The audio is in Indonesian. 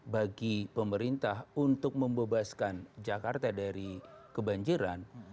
bagi pemerintah untuk membebaskan jakarta dari kebanjiran